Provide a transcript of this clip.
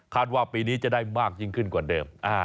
ว่าปีนี้จะได้มากยิ่งขึ้นกว่าเดิม